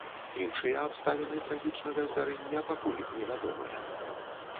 Іншыя абставіны трагічнага здарэння пакуль невядомыя.